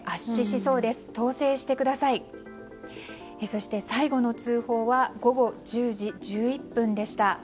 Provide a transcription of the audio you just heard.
そして最後の通報は午後１０時１１分でした。